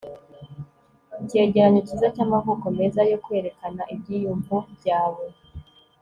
icyegeranyo cyiza cyamavuko meza yo kwerekana ibyiyumvo byawe